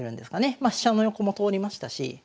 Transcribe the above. ま飛車の横も通りましたし。